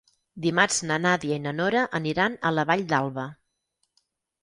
Dimarts na Nàdia i na Nora aniran a la Vall d'Alba.